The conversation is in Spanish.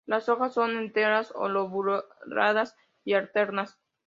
Las hojas son enteras o lobuladas y alternas.